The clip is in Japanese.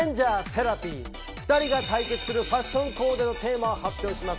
２人が対決するファッションコーデのテーマを発表します。